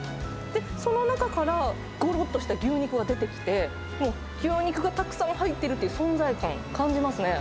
その中から、ごろっとした牛肉が出てきて、もう、牛肉がたくさん入ってるっていう存在感感じますね。